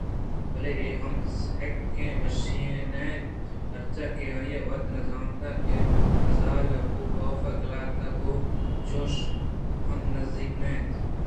بلئے اے ہم سکیں وشی ئے نہ اَت پرچاکہ آئیءَ وت نہ زانت کہ آزال ءَگوں کاف ءَ قلات ءَ گوں چوش ہم نزّیک نہ اِنت